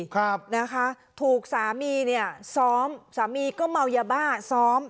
ครับนะคะถูกสามีเนี่ยซ้อมสามีก็เมายาบ้าซ้อม